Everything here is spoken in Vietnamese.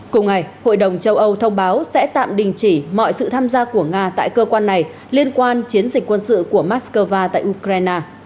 cùng ngày hội đồng châu âu thông báo sẽ tạm đình chỉ mọi sự tham gia của nga tại cơ quan này liên quan chiến dịch quân sự của moscow tại ukraine